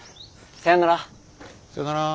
さよなら。